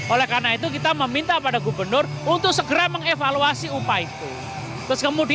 oleh karena itu kita meminta pada gubernur untuk segera mengevaluasi upah itu